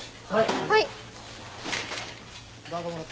はい！